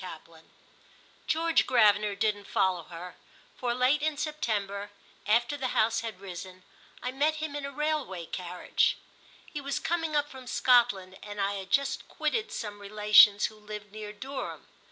VIII GEORGE GRAVENER didn't follow her, for late in September, after the House had risen, I met him in a railway carriage. He was coming up from Scotland and I had just quitted some relations who lived near Durham.